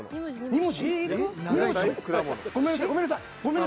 ２文字？